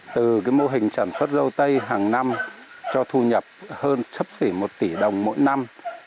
từ mô hình trản xuất râu tây hàng năm cho thu nhập hơn chấp xỉ một tỷ đồng mỗi năm